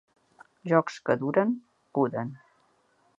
Jocs que duren, puden.